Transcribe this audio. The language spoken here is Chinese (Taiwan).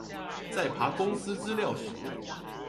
在爬公司資料時